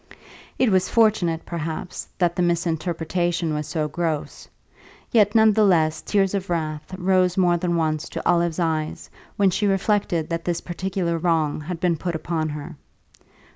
It was fortunate, perhaps, that the misrepresentation was so gross; yet, none the less, tears of wrath rose more than once to Olive's eyes when she reflected that this particular wrong had been put upon her.